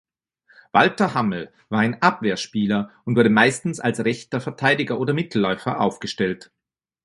Walter Hammel war ein Abwehrspieler und wurde meistens als rechter Verteidiger oder Mittelläufer aufgestellt.